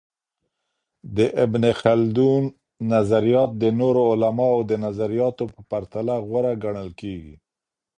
د ابن خلدون نظریات د نورو علماؤ د نظریاتو په پرتله غوره ګڼل کيږي.